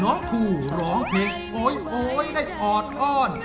น้องภูร้องเพลงโอ๊ยได้ออน